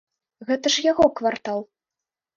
Гэта ж яго квартал.